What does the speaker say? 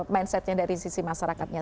mindsetnya dari sisi masyarakatnya